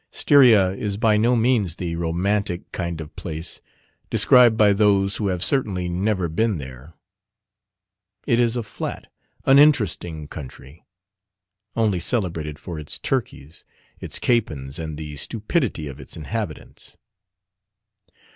Styria is by no means the romantic kind of place described by those who have certainly never been there. It is a flat, uninteresting country, only celebrated for its turkeys, its capons, and the stupidity of its inhabitants.